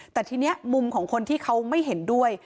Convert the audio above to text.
แต่ทีนี้มุมของคนที่เขาไม่เห็นด้วย